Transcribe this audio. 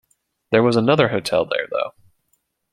There was another hotel there, though.